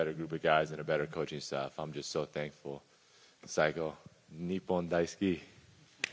最高、日本大好き。